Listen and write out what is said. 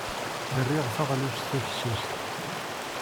Riɣ taɣlust tafessast.